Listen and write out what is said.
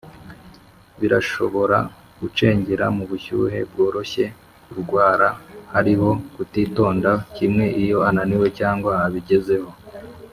birashobora gucengera mubushyuhe bworoshye kurwarahariho kutitonda, kimwe iyo ananiwe cyangwa abigezeho,